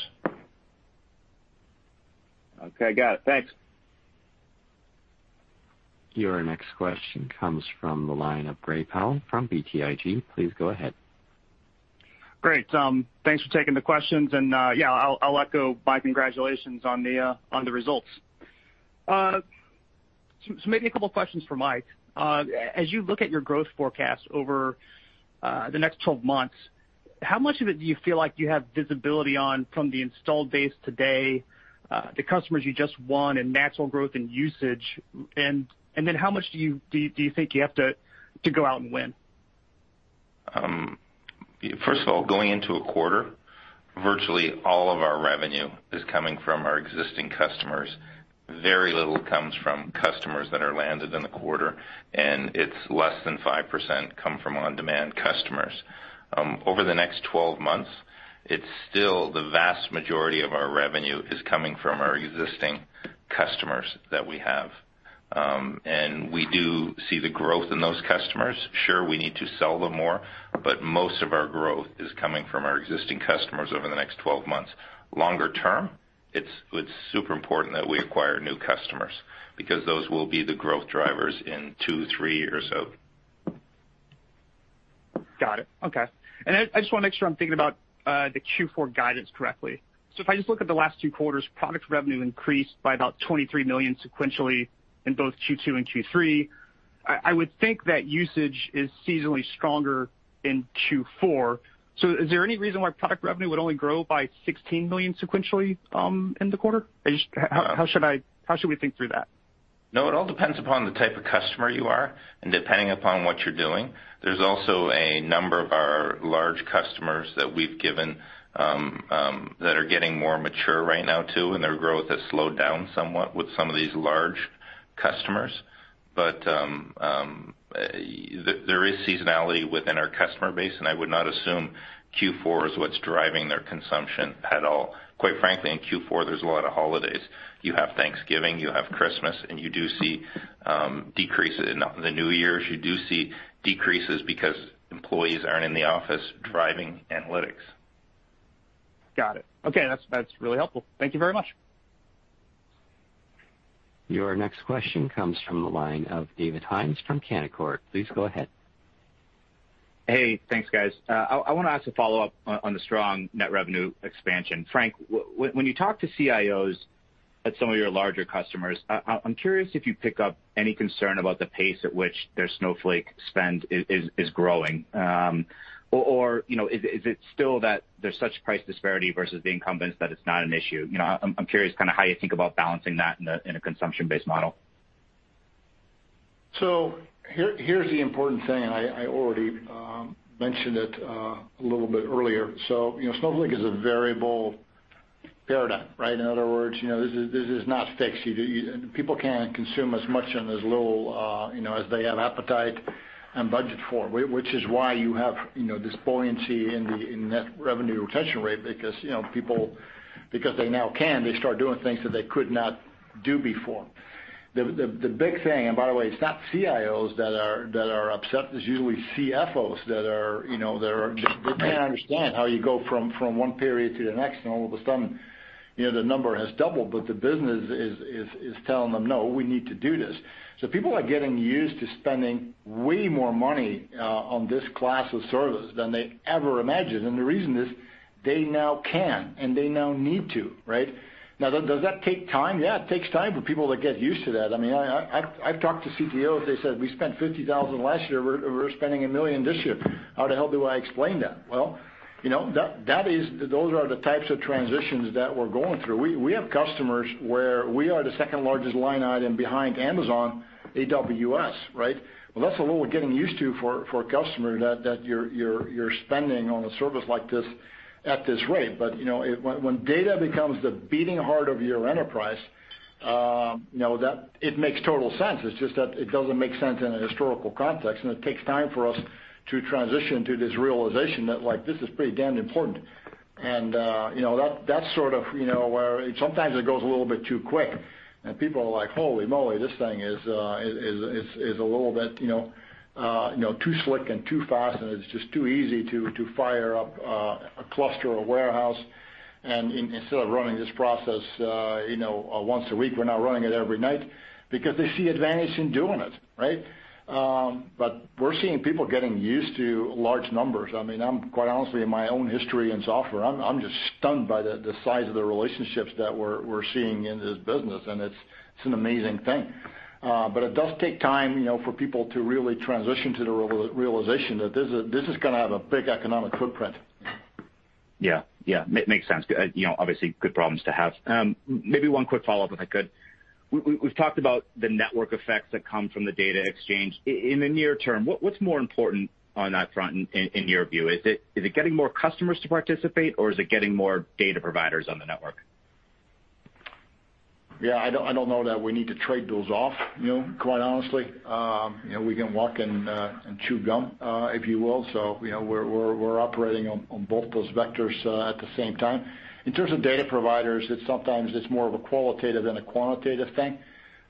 Okay, got it. Thanks.
Your next question comes from the line of Gray Powell from BTIG. Please go ahead.
Great. Thanks for taking the questions. Yeah, I'll echo Mike. Congratulations on the results. Maybe a couple of questions for Mike. As you look at your growth forecast over the next 12 months, how much of it do you feel like you have visibility on from the installed base today, the customers you just won, and natural growth in usage? How much do you think you have to go out and win?
First of all, going into a quarter, virtually all of our revenue is coming from our existing customers. Very little comes from customers that are landed in the quarter, and it's less than 5% come from on-demand customers. Over the next 12 months, it's still the vast majority of our revenue is coming from our existing customers that we have. We do see the growth in those customers. Sure, we need to sell them more, but most of our growth is coming from our existing customers over the next 12 months. Longer term, it's super important that we acquire new customers because those will be the growth drivers in two, three years out.
Got it. Okay. I just want to make sure I'm thinking about the Q4 guidance correctly. If I just look at the last two quarters, product revenue increased by about $23 million sequentially in both Q2 and Q3. I would think that usage is seasonally stronger in Q4. Is there any reason why product revenue would only grow by $16 million sequentially in the quarter? How should we think through that?
No, it all depends upon the type of customer you are and depending upon what you're doing. There's also a number of our large customers that we've given, that are getting more mature right now, too, and their growth has slowed down somewhat with some of these large customers. There is seasonality within our customer base, and I would not assume Q4 is what's driving their consumption at all. Quite frankly, in Q4, there's a lot of holidays. You have Thanksgiving, you have Christmas, the New Year's, you do see decreases because employees aren't in the office driving analytics.
Got it. Okay. That's really helpful. Thank you very much.
Your next question comes from the line of David Hynes from Canaccord. Please go ahead.
Hey, thanks, guys. I want to ask a follow-up on the strong net revenue expansion. Frank, when you talk to CIOs at some of your larger customers, I'm curious if you pick up any concern about the pace at which their Snowflake spend is growing. Or is it still that there's such price disparity versus the incumbents that it's not an issue? I'm curious how you think about balancing that in a consumption-based model.
Here's the important thing, and I already mentioned it a little bit earlier. Snowflake is a variable paradigm. In other words, this is not fixed. People can consume as much and as little, as they have appetite and budget for, which is why you have this buoyancy in net revenue retention rate, because people, they now can, they start doing things that they could not do before. The big thing, and by the way, it's not CIOs that are upset. It's usually CFOs that they can't understand how you go from one period to the next, and all of a sudden, the number has doubled, but the business is telling them, "No, we need to do this." People are getting used to spending way more money on this class of service than they ever imagined. The reason is they now can, and they now need to. Does that take time? Yeah, it takes time for people to get used to that. I've talked to CTOs, they said, "We spent $50,000 last year. We're spending $1 million this year. How the hell do I explain that?" Those are the types of transitions that we're going through. We have customers where we are the second-largest line item behind Amazon AWS. That's a little getting used to for a customer that you're spending on a service like this at this rate. When data becomes the beating heart of your enterprise, it makes total sense. It's just that it doesn't make sense in a historical context, and it takes time for us to transition to this realization that this is pretty damn important. That's sort of where sometimes it goes a little bit too quick, and people are like, "Holy moly, this thing is a little bit too slick and too fast," and it's just too easy to fire up a cluster or warehouse. Instead of running this process once a week, we're now running it every night because they see advantage in doing it. We're seeing people getting used to large numbers. I'm, quite honestly, in my own history in software, I'm just stunned by the size of the relationships that we're seeing in this business, and it's an amazing thing. It does take time for people to really transition to the realization that this is going to have a big economic footprint.
Yeah. Makes sense. Obviously, good problems to have. Maybe one quick follow-up, if I could. We've talked about the network effects that come from the data exchange. In the near term, what's more important on that front in your view? Is it getting more customers to participate, or is it getting more data providers on the network?
I don't know that we need to trade those off, quite honestly. We can walk and chew gum, if you will. We're operating on both those vectors at the same time. In terms of data providers, it's sometimes it's more of a qualitative than a quantitative thing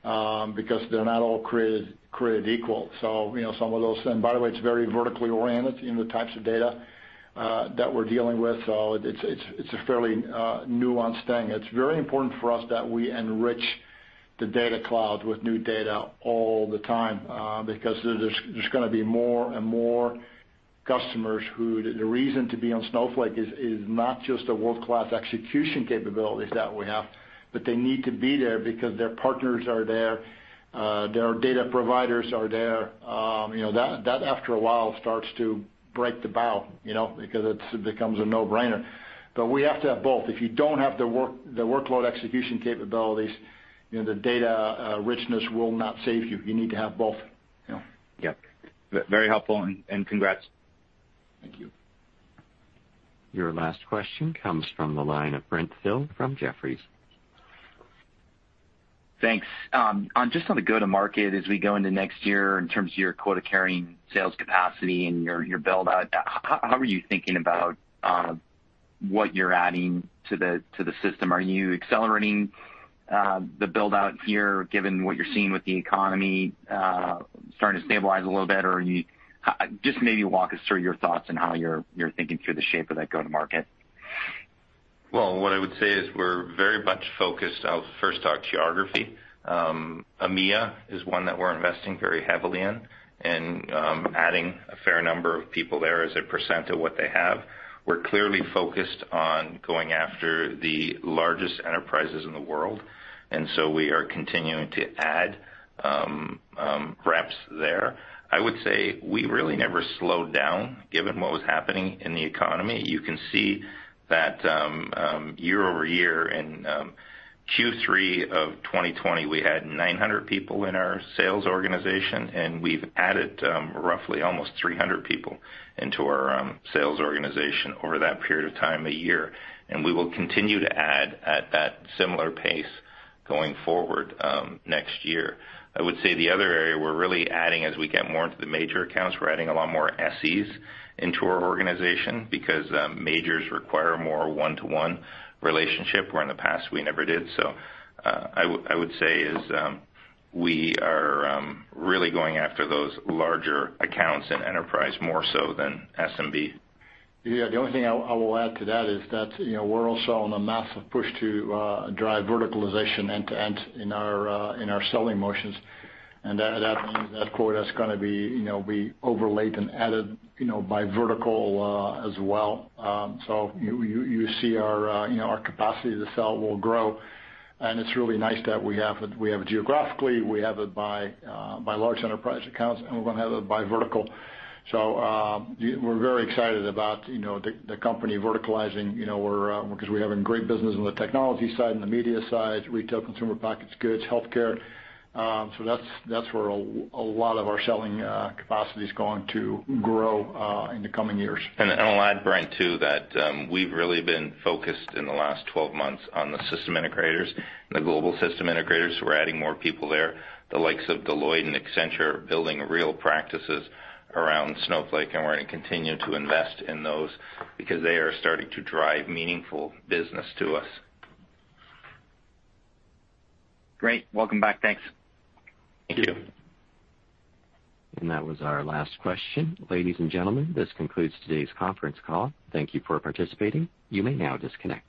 because they're not all created equal. Some of those-- and by the way, it's very vertically oriented in the types of data that we're dealing with. It's a fairly nuanced thing. It's very important for us that we enrich the Data Cloud with new data all the time because there's going to be more and more customers who the reason to be on Snowflake is not just the world-class execution capabilities that we have, but they need to be there because their partners are there, their data providers are there. After a while starts to break the bow because it becomes a no-brainer. We have to have both. If you don't have the workload execution capabilities, the data richness will not save you. You need to have both.
Yep. Very helpful, and congrats.
Thank you.
Your last question comes from the line of Brent Thill from Jefferies.
Thanks. Just on the go-to-market as we go into next year in terms of your quota-carrying sales capacity and your build-out, how are you thinking about what you're adding to the system? Are you accelerating the build-out here, given what you're seeing with the economy starting to stabilize a little bit? Maybe walk us through your thoughts on how you're thinking through the shape of that go-to-market.
Well, what I would say is we're very much focused. I'll first talk geography. EMEA is one that we're investing very heavily in, and adding a fair number of people there as a percentage of what they have. We're clearly focused on going after the largest enterprises in the world, and so we are continuing to add reps there. I would say we really never slowed down given what was happening in the economy. You can see that year-over-year in Q3 of 2020, we had 900 people in our sales organization, and we've added roughly almost 300 people into our sales organization over that period of time, a year. We will continue to add at that similar pace going forward next year. I would say the other area we're really adding as we get more into the major accounts, we're adding a lot more SEs into our organization because majors require more one-to-one relationship, where in the past we never did. I would say is we are really going after those larger accounts in enterprise more so than SMB.
Yeah, the only thing I will add to that is that we're also on a massive push to drive verticalization end-to-end in our selling motions. That means that quota is going to be overlaid and added by vertical as well. You see our capacity to sell will grow, and it's really nice that we have it geographically, we have it by large enterprise accounts, and we're going to have it by vertical. We're very excited about the company verticalizing because we're having great business on the technology side, on the media side, retail, consumer packaged goods, healthcare. That's where a lot of our selling capacity is going to grow in the coming years.
I'll add, Brent, too, that we've really been focused in the last 12 months on the system integrators, the global system integrators. We're adding more people there, the likes of Deloitte and Accenture, building real practices around Snowflake, we're going to continue to invest in those because they are starting to drive meaningful business to us.
Great. Welcome back. Thanks.
Thank you.
That was our last question. Ladies and gentlemen, this concludes today's conference call. Thank you for participating. You may now disconnect.